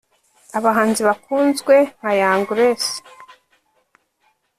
Abahanzi bakunzwe nka Young Grace